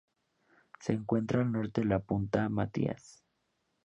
Se encuentra al norte de la punta Mathias.